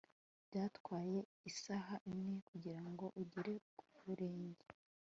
byatwaye isaha imwe kugirango ugere ku birenge